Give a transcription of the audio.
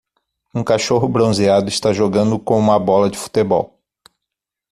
Um cachorro bronzeado está jogando com uma bola de futebol